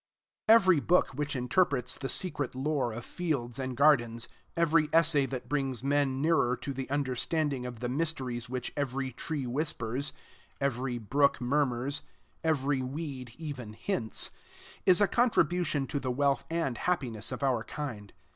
Every book which interprets the secret lore of fields and gardens, every essay that brings men nearer to the understanding of the mysteries which every tree whispers, every brook murmurs, every weed, even, hints, is a contribution to the wealth and the happiness of our kind.